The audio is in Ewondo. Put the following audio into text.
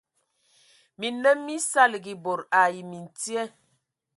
Minnǝm mí saligi bod ai mintye,